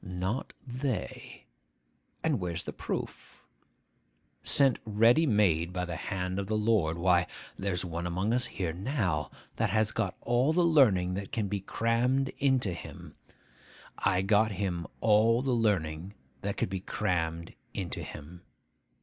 'Not they. And where's the proof? sent ready made by the hand of the Lord. Why, there's one among us here now, that has got all the learning that can be crammed into him. I got him all the learning that could be crammed into him.